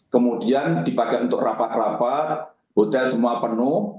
kemudian dipakai untuk rapat rapat hotel semua penuh